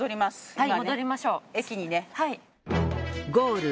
はい。